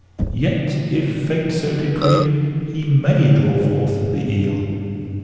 Yet, if Fate so decree, he may draw forth the eel.'